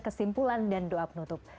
kesimpulan dan doa penutup